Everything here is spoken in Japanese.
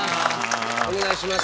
お願いします。